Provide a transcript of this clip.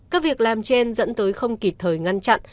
các việc làm trên dẫn tới không kịp thời ngăn chặn